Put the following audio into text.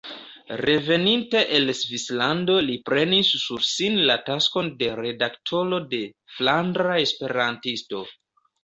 Reveninte el Svislando li prenis sur sin la taskon de redaktoro de "Flandra Esperantisto".